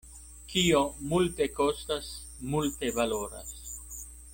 Kio multe kostas, multe valoras.